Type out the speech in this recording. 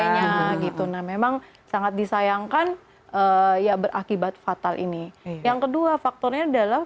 nya gitu nah memang sangat disayangkan ya berakibat fatal ini yang kedua faktornya adalah